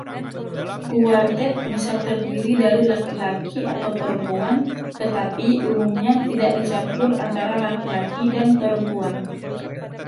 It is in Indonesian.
Kuartet bisa terdiri dari laki-laki atau perempuan, tetapi umumnya tidak dicampur antara laki-laki dan perempuan.